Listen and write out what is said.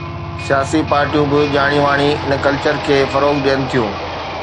سياسي پارٽيون به ڄاڻي واڻي ان ڪلچر کي فروغ ڏين ٿيون.